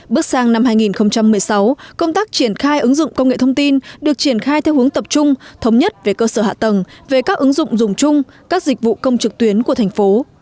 bước sang năm hai nghìn một mươi sáu công tác triển khai ứng dụng công nghệ thông tin được triển khai theo hướng tập trung thống nhất về cơ sở hạ tầng về các ứng dụng dùng chung các dịch vụ công trực tuyến của thành phố